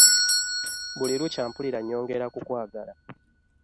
Buli lukya mpulira nnyongera kukwagala.